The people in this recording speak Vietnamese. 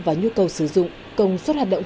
và nhu cầu sử dụng công suất hạt động